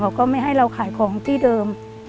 เขาก็ไม่ให้เราขายของที่เดิม